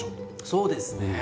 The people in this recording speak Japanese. そうですね。